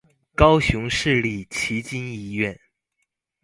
高雄市立旗津醫院